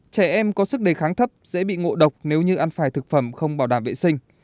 trẻ em có sức đề kháng thấp dễ bị ngộ độc nếu như ăn phải thực phẩm không bảo đảm vệ sinh